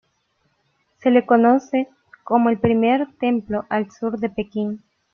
Se le conoce como el "primer templo al sur de Pekín".